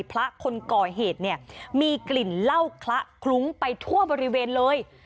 พระคนก่อเหตุเนี่ยมีกลิ่นเหล้าคละคลุ้งไปทั่วบริเวณเลย